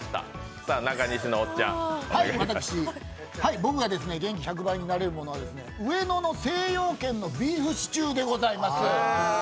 僕が元気１００倍になれるものは上野の精養軒のビーフシチューでございます。